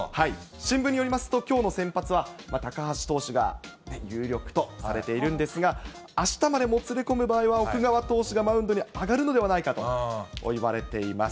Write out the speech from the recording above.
新聞によりますと、きょうの先発は、高橋投手が有力とされているんですが、あしたまでもつれ込む場合は、奥川投手がマウンドに上がるのではないかといわれています。